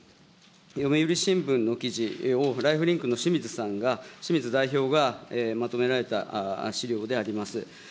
読売新聞の記事をライフリンクのしみずさんが、しみず代表が、まとめられた資料であります。